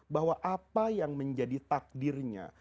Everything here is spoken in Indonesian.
bahwa apa yang menjadi takdirnya